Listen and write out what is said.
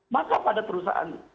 maka pada perusahaan